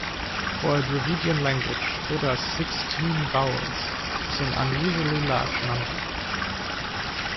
For a Dravidian language, Toda's sixteen vowels is an unusually large number.